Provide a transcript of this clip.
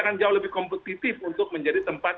akan jauh lebih kompetitif untuk menjadi tempat